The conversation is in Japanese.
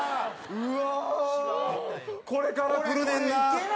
うわ！